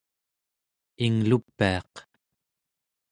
inglupiaq